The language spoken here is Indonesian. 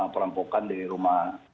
perampokan di rumah